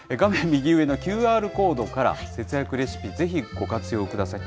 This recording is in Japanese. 右上のＱＲコードから、節約レシピ、ぜひご活用ください。